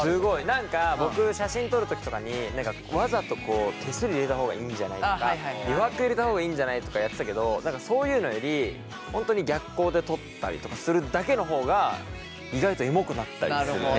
何か僕写真撮る時とかに何かわざと手すり入れた方がいいんじゃないとか余白入れた方がいいんじゃないとかやってたけど何かそういうのより本当に逆光で撮ったりとかするだけの方が意外とエモくなったりするね。